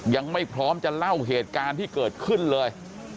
ยังไม่พร้อมจะเล่าเหตุการณ์ที่เกิดขึ้นเลย